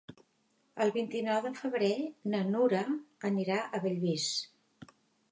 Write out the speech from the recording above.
El vint-i-nou de febrer na Nura anirà a Bellvís.